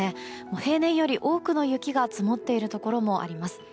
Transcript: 平年より多くの雪が積もっているところもあります。